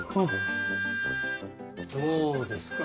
どうですか？